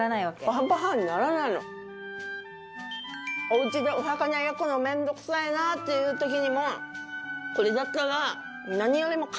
お家でお魚焼くの面倒くさいなっていう時にもこれだったら何よりも簡単。